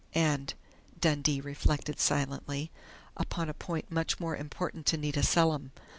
"And," Dundee reflected silently, "upon a point much more important to Nita Selim."